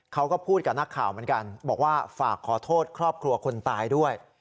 เขาก็พูดกับนักข่าวเหมือนกันบอกว่าฝากขอโทษครอบครัวคนตายด้วย